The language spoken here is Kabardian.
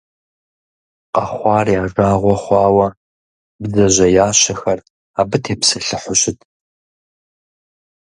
Къэхъуар я жагъуэ хъуауэ бдзэжьеящэхэр абы тепсэлъыхьу щытт.